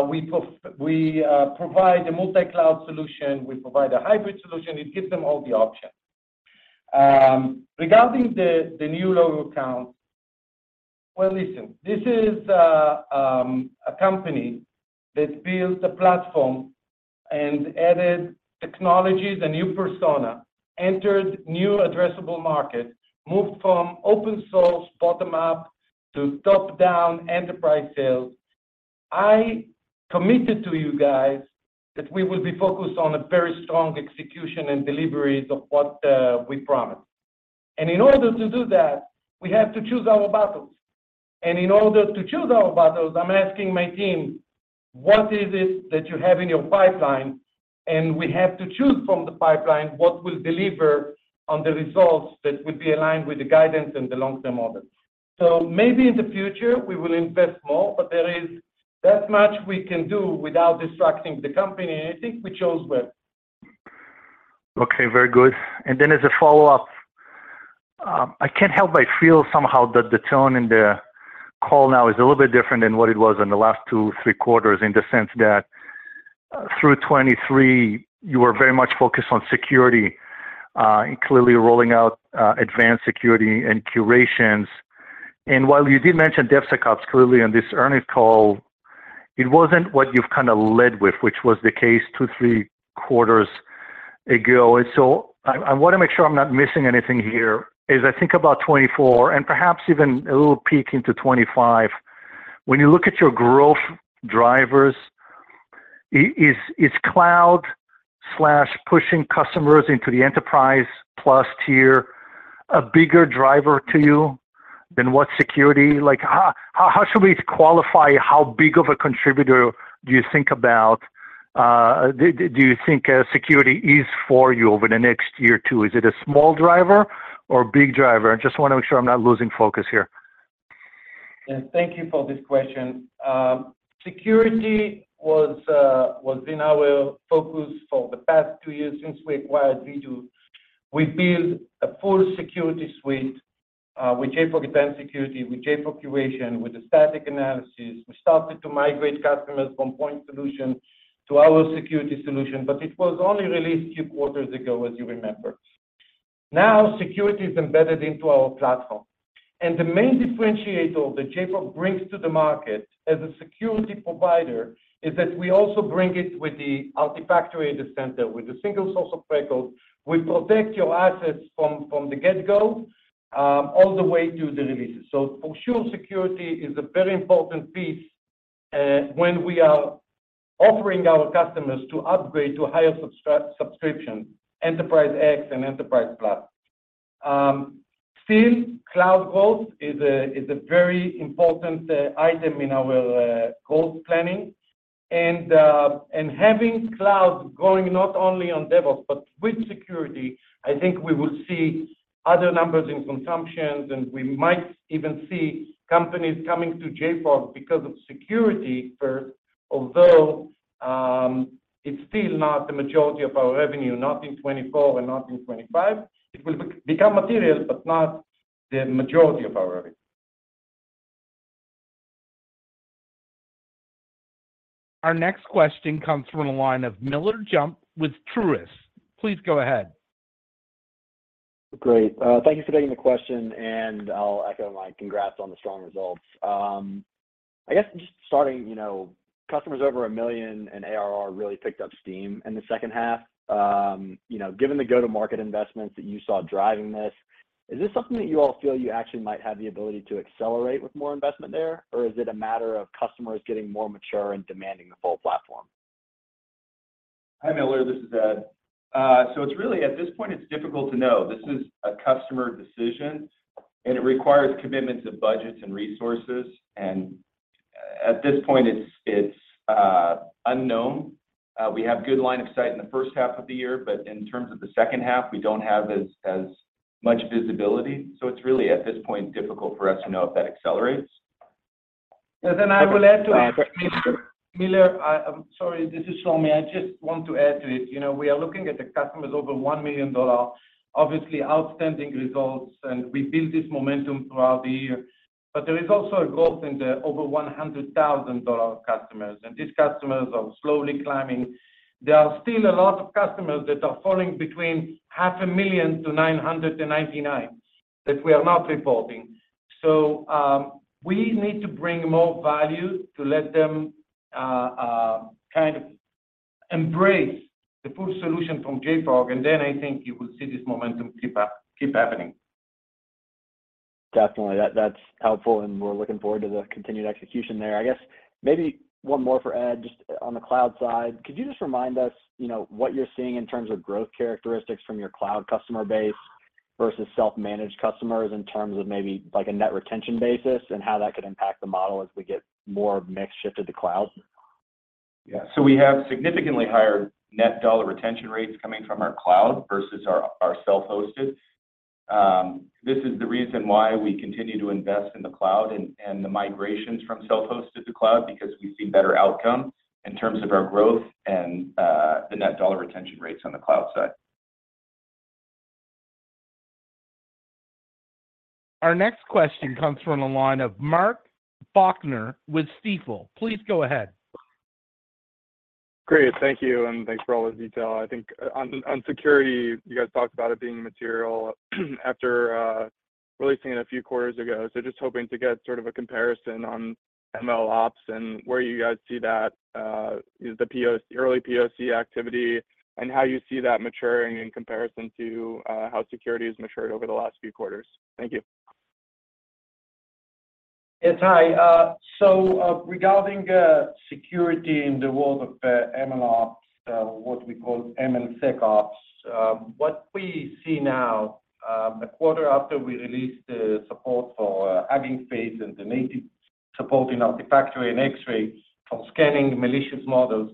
we provide a multi-cloud solution. We provide a hybrid solution. It gives them all the options. Regarding the new logo account, well, listen, this is a company that built a platform and added technology, the new persona, entered new addressable markets, moved from open source bottom up to top-down enterprise sales. I committed to you guys that we will be focused on a very strong execution and deliveries of what we promised. And in order to do that, we have to choose our battles. And in order to choose our battles, I'm asking my team: what is it that you have in your pipeline? And we have to choose from the pipeline what will deliver on the results that will be aligned with the guidance and the long-term model. So maybe in the future, we will invest more, but there is that much we can do without distracting the company, and I think we chose well. Okay, very good. Then as a follow-up, I can't help but feel somehow that the tone in the call now is a little bit different than what it was in the last two, three quarters, in the sense that through 2023, you were very much focused on security, and clearly rolling out advanced security and curations. And while you did mention DevSecOps clearly on this earnings call, it wasn't what you've kind of led with, which was the case two, three quarters ago. And so I wanna make sure I'm not missing anything here. As I think about 2024, and perhaps even a little peek into 2025, when you look at your growth drivers, is cloud slash pushing customers into the Enterprise Plus tier a bigger driver to you than what security-- Like, how should we qualify how big of a contributor do you think security is for you over the next year or two? Is it a small driver or a big driver? I just wanna make sure I'm not losing focus here. Thank you for this question. Security has been our focus for the past 2 years since we acquired Vdoo. We built a full security suite with JFrog Advanced Security, with JFrog Curation, with the static analysis. We started to migrate customers from point solution to our security solution, but it was only released two quarters ago, as you remember. Now, security is embedded into our platform, and the main differentiator that JFrog brings to the market as a security provider is that we also bring it with the Artifactory center, with a single source of records. We protect your assets from the get-go, all the way to the releases. For sure, security is a very important piece when we are offering our customers to upgrade to a higher subscription, Enterprise X and Enterprise Plus. Still, cloud growth is a very important item in our growth planning. And having cloud growing, not only on DevOps, but with security, I think we will see other numbers in consumptions, and we might even see companies coming to JFrog because of security first, although it's still not the majority of our revenue, not in 2024 and not in 2025. It will become material, but not the majority of our revenue. Our next question comes from the line of Miller Jump with Truist. Please go ahead. Great. Thank you for taking the question, and I'll echo my congrats on the strong results. I guess just starting, you know, customers over $1 million, and ARR really picked up steam in the second half. You know, given the go-to-market investments that you saw driving this, is this something that you all feel you actually might have the ability to accelerate with more investment there, or is it a matter of customers getting more mature and demanding the full platform? Hi, Miller, this is Ed. So it's really, at this point, it's difficult to know. This is a customer decision, and it requires commitments of budgets and resources, and at this point, it's unknown. We have good line of sight in the first half of the year, but in terms of the second half, we don't have as much visibility. So it's really, at this point, difficult for us to know if that accelerates. Then I will add to it, Miller. I'm sorry, this is Shlomi. I just want to add to it. You know, we are looking at the customers over $1 million. Obviously, outstanding results, and we built this momentum throughout the year. But there is also a growth in the over $100,000 customers, and these customers are slowly climbing. There are still a lot of customers that are falling between $500,000-$999,000, that we are not reporting. So, we need to bring more value to let them kind of embrace the full solution from JFrog, and then I think you will see this momentum keep happening. Definitely. That, that's helpful, and we're looking forward to the continued execution there. I guess maybe one more for Ed, just on the cloud side. Could you just remind us, you know, what you're seeing in terms of growth characteristics from your cloud customer base versus self-managed customers, in terms of maybe, like, a net retention basis, and how that could impact the model as we get more mix shift to the cloud? Yeah. We have significantly higher Net Dollar Retention rates coming from our cloud versus our, our self-hosted. This is the reason why we continue to invest in the cloud and, and the migrations from self-hosted to cloud, because we see better outcome in terms of our growth and, the Net Dollar Retention rates on the cloud side. Our next question comes from the line of Mark Faulkner with Stifel. Please go ahead. Great. Thank you, and thanks for all the detail. I think, on security, you guys talked about it being material, after releasing it a few quarters ago. So just hoping to get sort of a comparison on MLOps and where you guys see that, is the POC... early POC activity, and how you see that maturing in comparison to, how security has matured over the last few quarters. Thank you. Yes, hi. So, regarding security in the world of MLOps, what we call MLSecOps, what we see now, a quarter after we released the support for Hugging Face and the native support in Artifactory and X-Ray for scanning malicious models,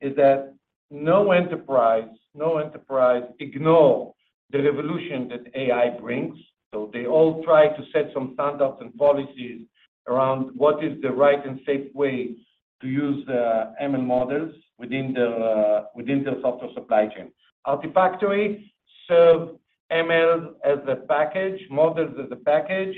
is that no enterprise, no enterprise ignore the revolution that AI brings. So they all try to set some standards and policies around what is the right and safe way to use the ML models within the software supply chain. Artifactory serve ML as a package, models as a package,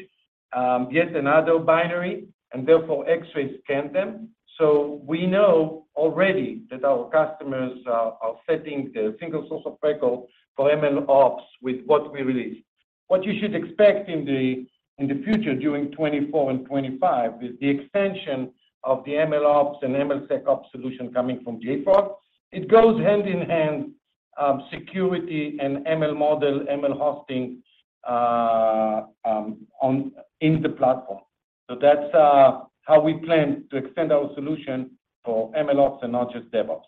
yet another binary, and therefore, X-Ray scan them. So we know already that our customers are, are setting a single source of record for MLOps with what we released. What you should expect in the future, during 2024 and 2025, is the extension of the MLOps and MLSecOps solution coming from JFrog. It goes hand in hand, security and ML model, ML hosting, on in the platform. So that's how we plan to extend our solution for MLOps and not just DevOps.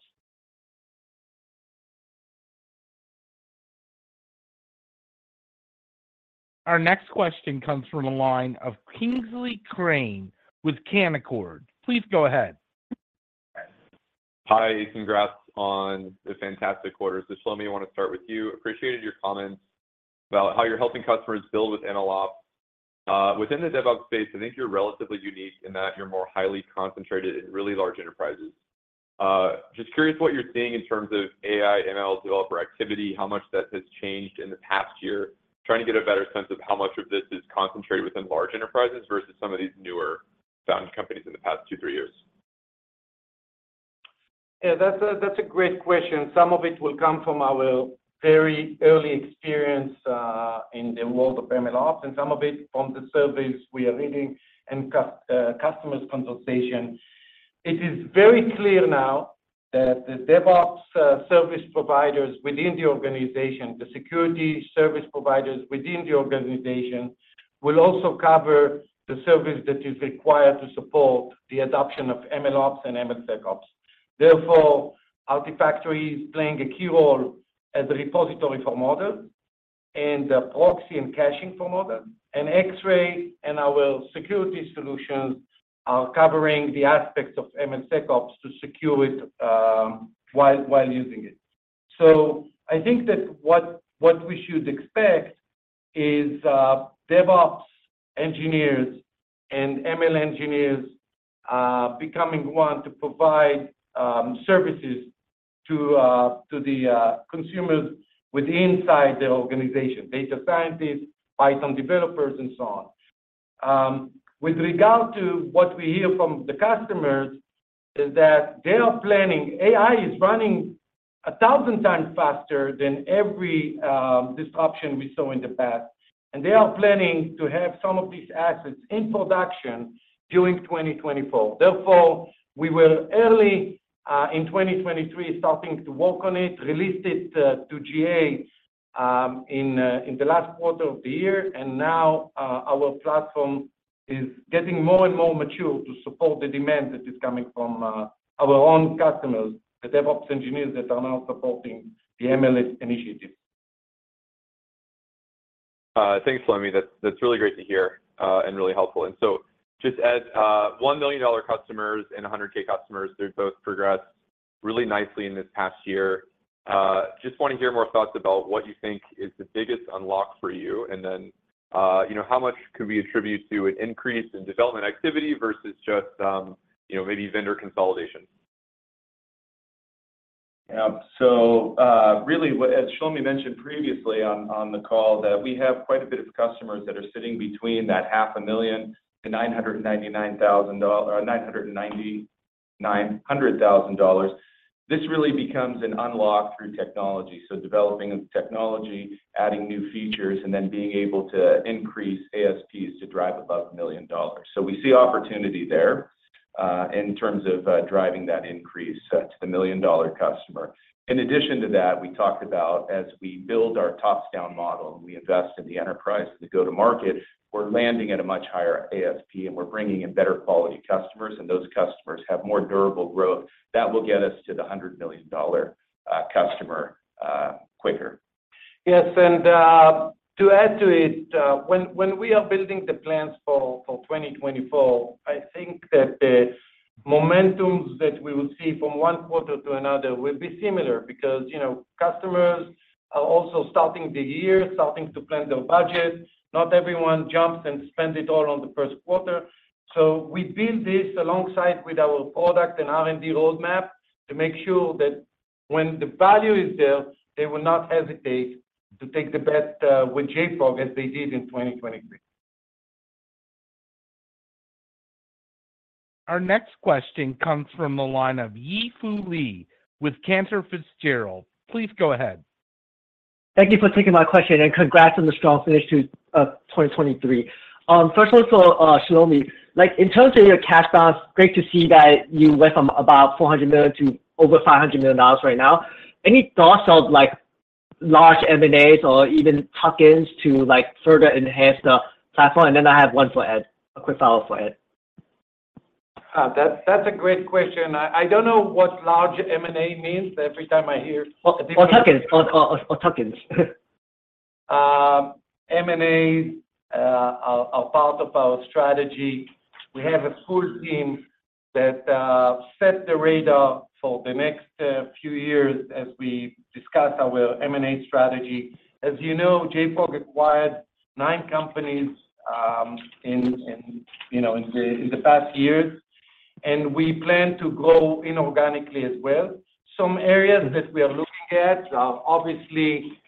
Our next question comes from the line of Kingsley Crane with Canaccord. Please go ahead. Hi, congrats on the fantastic quarter. So Shlomi, I wanna start with you. Appreciated your comments about how you're helping customers build with MLOps. Within the DevOps space, I think you're relatively unique in that you're more highly concentrated in really large enterprises. Just curious what you're seeing in terms of AI, ML developer activity, how much that has changed in the past year? Trying to get a better sense of how much of this is concentrated within large enterprises versus some of these newer founders companies in the past two, three years. Yeah, that's a great question. Some of it will come from our very early experience in the world of MLOps, and some of it from the surveys we are leading and customers consultation. It is very clear now that the DevOps service providers within the organization, the security service providers within the organization, will also cover the service that is required to support the adoption of MLOps and MLSecOps. Therefore, Artifactory is playing a key role as a repository for model and a proxy and caching for model. And X-Ray and our security solutions are covering the aspects of MLSecOps to secure it while using it. So I think that what we should expect is DevOps engineers and ML engineers becoming one to provide services to the consumers within inside the organization, data scientists, Python developers, and so on. With regard to what we hear from the customers is that they are planning. AI is running 1000 times faster than every disruption we saw in the past, and they are planning to have some of these assets in production during 2024. Therefore, we were early in 2023, starting to work on it, released it to GA in the last quarter of the year. And now, our platform is getting more and more mature to support the demand that is coming from our own customers, the DevOps engineers that are now supporting the ML initiatives. Thanks, Shlomi. That's, that's really great to hear, and really helpful. And so just as $1 million customers and $100K customers, they've both progressed really nicely in this past year. Just want to hear more thoughts about what you think is the biggest unlock for you, and then, you know, how much can we attribute to an increase in development activity versus just, you know, maybe vendor consolidation? Yeah. So, really, as Shlomi mentioned previously on the call, that we have quite a bit of customers that are sitting between $500,000-$999,000, or $999,000. This really becomes an unlock through technology. So developing of technology, adding new features, and then being able to increase ASPs to drive above $1 million. So we see opportunity there, in terms of, driving that increase, to the $1 million customer. In addition to that, we talked about as we build our top-down model, and we invest in the enterprise to go to market, we're landing at a much higher ASP, and we're bringing in better quality customers, and those customers have more durable growth. That will get us to the $100 million customer quicker. Yes, and to add to it, when we are building the plans for 2024, I think that the momentums that we will see from one quarter to another will be similar. Because, you know, customers are also starting the year, starting to plan their budget. Not everyone jumps and spend it all on the first quarter. So we build this alongside with our product and R&D roadmap to make sure that when the value is there, they will not hesitate to take the bet with JFrog as they did in 2023. Our next question comes from the line of Yi Fu Lee with Cantor Fitzgerald. Please go ahead. Thank you for taking my question, and congrats on the strong finish to 2023. First one for Shlomi. Like, in terms of your cash balance, great to see that you went from about $400 million to over $500 million right now. Any thoughts of, like, large M&As or even tuck-ins to, like, further enhance the platform? And then I have one for Ed, a quick follow-up for Ed. That, that's a great question. I don't know what large M&A means. Every time I hear- Or tuck-ins. M&As are part of our strategy. We have a full team that set the radar for the next few years as we discuss our M&A strategy. As you know, JFrog acquired nine companies, you know, in the past years, and we plan to grow inorganically as well. Some areas that we are looking at are obviously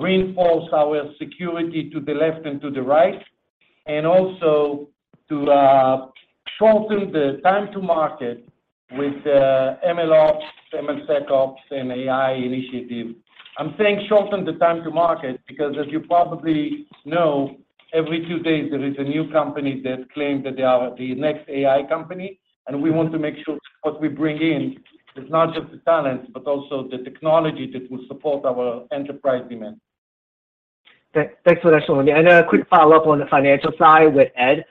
reinforce our security to the left and to the right, and also to shorten the time to market with MLOps, MLSecOps, and AI initiative. I'm saying shorten the time to market, because as you probably know, every two days, there is a new company that claim that they are the next AI company, and we want to make sure what we bring in is not just the talent, but also the technology that will support our enterprise demand. Thanks for that, Shlomi. A quick follow-up on the financial side with Ed.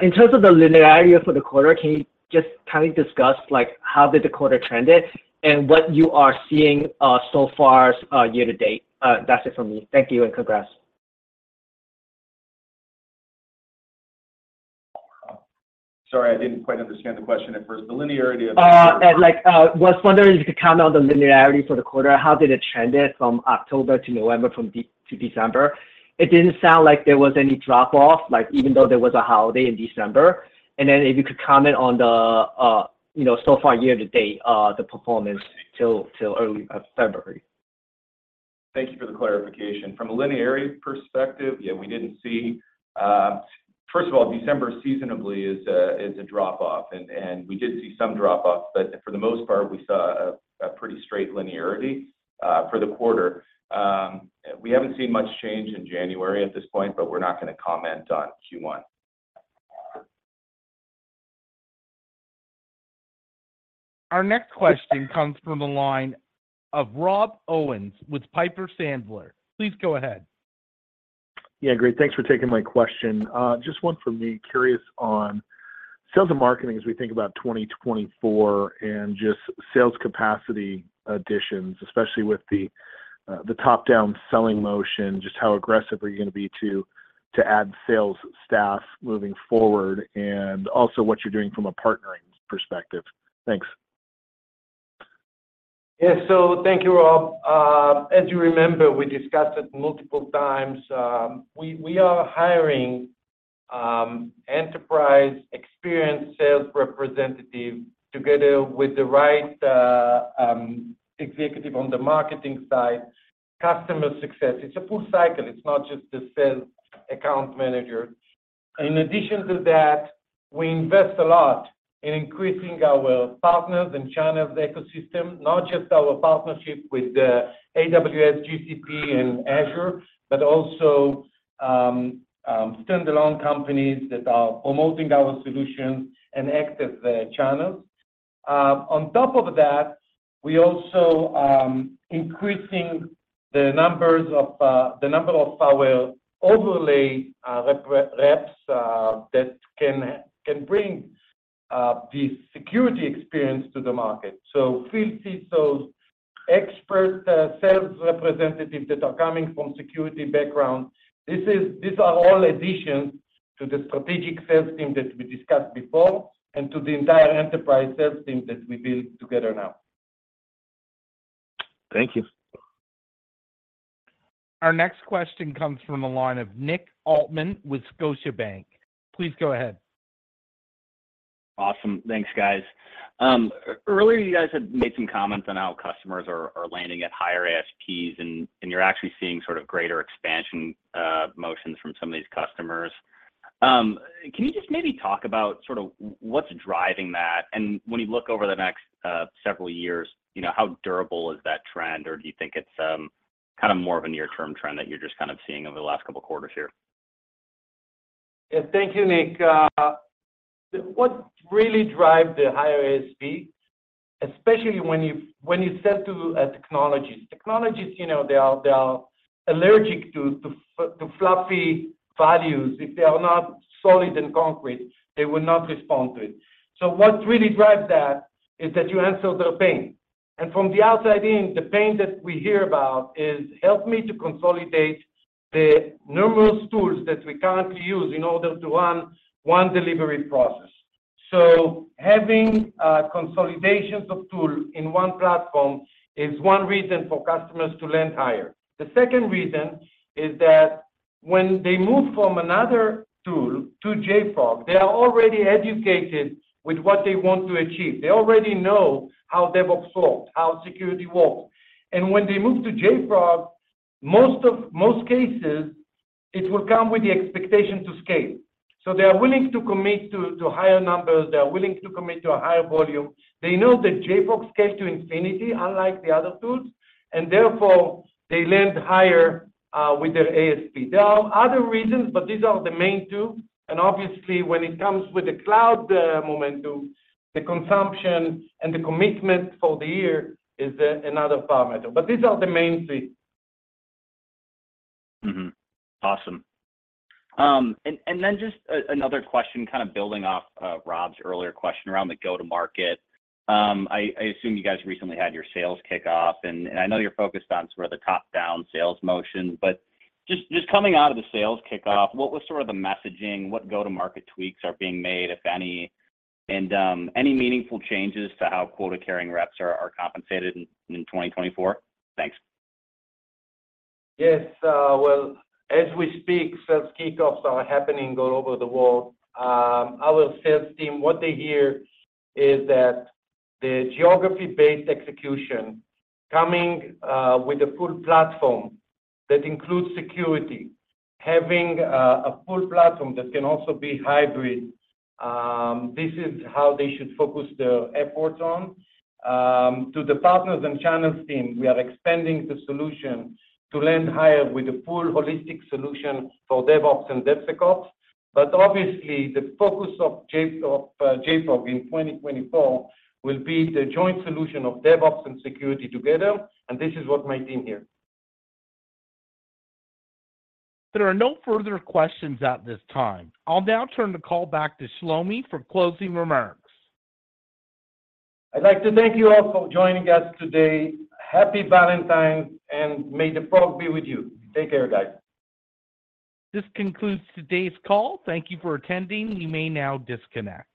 In terms of the linearity for the quarter, can you just kindly discuss, like, how did the quarter trended, and what you are seeing so far year to date? That's it from me. Thank you, and congrats. Sorry, I didn't quite understand the question at first. The linearity of the- Ed, like, was wondering if you could comment on the linearity for the quarter. How did it trended from October to November, from November to December? It didn't sound like there was any drop off, like, even though there was a holiday in December. And then if you could comment on the, you know, so far year to date, the performance till early February. Thank you for the clarification. From a linearity perspective, yeah, we didn't see... First of all, December seasonally is a drop off, and we did see some drop off, but for the most part, we saw a pretty straight linearity for the quarter. We haven't seen much change in January at this point, but we're not gonna comment on Q1. Our next question comes from the line of Rob Owens with Piper Sandler. Please go ahead. Yeah, great. Thanks for taking my question. Just one from me, curious on sales and marketing as we think about 2024 and just sales capacity additions, especially with the, the top-down selling motion, just how aggressive are you gonna be to, to add sales staff moving forward, and also what you're doing from a partnering perspective? Thanks. Yeah, so thank you, Rob. As you remember, we discussed it multiple times. We are hiring enterprise experienced sales representative together with the right executive on the marketing side, customer success. It's a full cycle, it's not just the sales account manager. In addition to that, we invest a lot in increasing our partners and channels ecosystem, not just our partnership with the AWS, GCP, and Azure, but also standalone companies that are promoting our solutions and act as the channels. On top of that, we also increasing the numbers of the number of our overlay reps that can bring the security experience to the market. So we see those expert sales representatives that are coming from security background. These are all additions to the strategic sales team that we discussed before and to the entire enterprise sales team that we build together now. Thank you. Our next question comes from the line of Nick Altmann with Scotiabank. Please go ahead. Awesome. Thanks, guys. Earlier, you guys had made some comments on how customers are landing at higher ASPs, and you're actually seeing sort of greater expansion motions from some of these customers. Can you just maybe talk about sort of what's driving that? And when you look over the next several years, you know, how durable is that trend, or do you think it's kind of more of a near-term trend that you're just kind of seeing over the last couple of quarters here? Yeah. Thank you, Nick. What really drive the higher ASP, especially when you, when you sell to technologies. Technologies, you know, they are, they are allergic to fluffy values. If they are not solid and concrete, they will not respond to it. So what really drives that is that you answer their pain. And from the outside in, the pain that we hear about is, "Help me to consolidate the numerous tools that we currently use in order to run one delivery process." So having consolidations of tool in one platform is one reason for customers to land higher. The second reason is that when they move from another tool to JFrog, they are already educated with what they want to achieve. They already know how DevOps works, how security works. When they move to JFrog, most cases, it will come with the expectation to scale. So they are willing to commit to higher numbers, they are willing to commit to a higher volume. They know that JFrog scale to infinity, unlike the other tools, and therefore, they land higher with their ASP. There are other reasons, but these are the main two. And obviously, when it comes with the cloud momentum, the consumption and the commitment for the year is another parameter. But these are the main three. Mm-hmm. Awesome. And then just another question, kind of building off Rob's earlier question around the go-to-market. I assume you guys recently had your sales kickoff, and I know you're focused on sort of the top-down sales motion, but just coming out of the sales kickoff, what was sort of the messaging? What go-to-market tweaks are being made, if any, and any meaningful changes to how quota-carrying reps are compensated in 2024? Thanks. Yes, well, as we speak, sales kickoffs are happening all over the world. Our sales team, what they hear is that the geography-based execution coming with a full platform that includes security, having a full platform that can also be hybrid, this is how they should focus their efforts on. To the partners and channels team, we are expanding the solution to land higher with a full holistic solution for DevOps and DevSecOps. But obviously, the focus of JFrog in 2024 will be the joint solution of DevOps and security together, and this is what my team hear. There are no further questions at this time. I'll now turn the call back to Shlomi for closing remarks. I'd like to thank you all for joining us today. Happy Valentine's, and may the Frog be with you. Take care, guys. This concludes today's call. Thank you for attending. You may now disconnect.